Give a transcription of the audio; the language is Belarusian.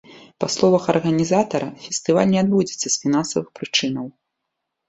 Па словах арганізатара, фестываль не адбудзецца з фінансавых прычынаў.